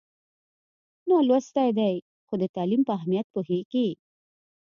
نالوستی دی خو د تعلیم په اهمیت پوهېږي.